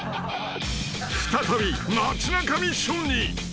［再び街なかミッションに］